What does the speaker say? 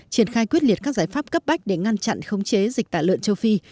triển khai quyết liệt các giải pháp cấp bách để ngăn chặn khống chế dịch tả lợn châu phi